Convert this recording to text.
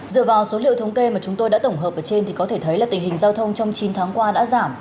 dựa vào số liệu thống kê mà chúng tôi đã tổng hợp ở trên thì có thể thấy là tình hình giao thông trong chín tháng qua đã giảm